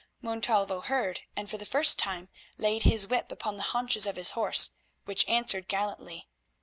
Montalvo heard, and for the first time laid his whip upon the haunches of his horse, which answered gallantly.